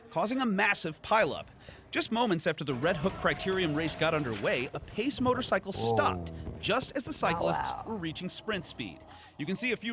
kita lihat berikut ini